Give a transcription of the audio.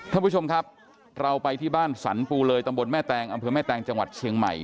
ท่านผู้ชมครับเราไปที่บ้านสรรปูเลยตำบลแม่แตงอำเภอแม่แตงจังหวัดเชียงใหม่